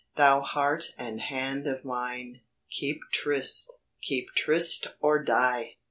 Thou heart and hand of mine, keep tryst, Keep tryst or die!'